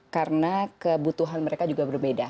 karena kebutuhan mereka juga berbeda